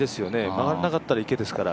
曲がらなかったら池ですから。